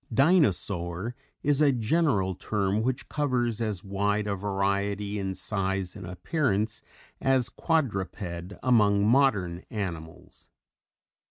"Dinosaur" is a general term which covers as wide a variety in size and appearance as "Quadruped" among modern animals.